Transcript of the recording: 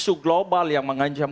isu global yang mengancam